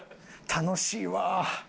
楽しいわ。